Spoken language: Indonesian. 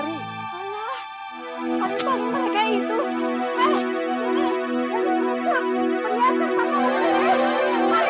kita harusin dia cuma nyari kiko hias emissions kelima